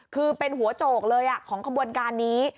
คือเป็นหัวโจกเลยของขบวนการนี้